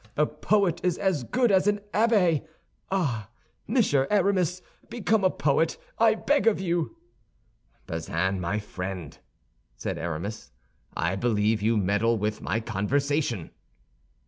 A poet is as good as an abbé. Ah! Monsieur Aramis, become a poet, I beg of you." "Bazin, my friend," said Aramis, "I believe you meddle with my conversation."